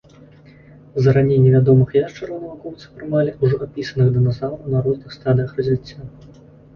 За раней невядомых яшчараў навукоўцы прымалі ўжо апісаных дыназаўраў на розных стадыях развіцця.